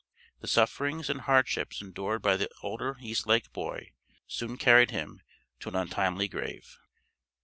The sufferings and hardships endured by the older Eastlake boy soon carried him to an untimely grave.